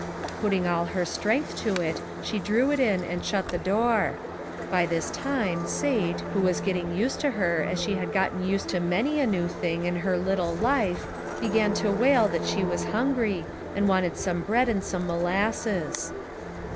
Putting all her strength to it she drew it in and shut the door. By this time, Sate, who was getting used to her as she had gotten used to many a new thing in her lit tle life, began to wail that she was hungry, and wanted some bread and some molasses.